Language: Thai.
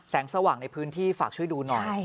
สว่างในพื้นที่ฝากช่วยดูหน่อย